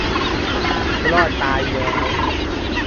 รอดตายแย้ว